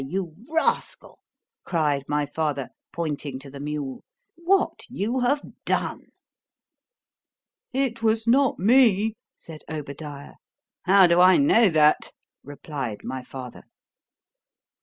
you rascal, cried my father, pointing to the mule, what you have done!——It was not me, said Obadiah.——How do I know that? replied my father.